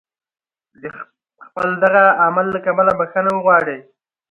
د خپل دغه عمل له کبله بخښنه وغواړي.